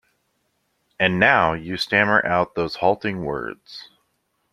And now you stammer out those halting words.